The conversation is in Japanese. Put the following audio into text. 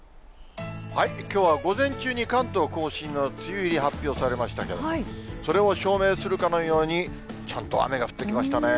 きょうは午前中に関東甲信の梅雨入り発表されましたけれども、それを証明するかのように、ちゃんと雨が降ってきましたね。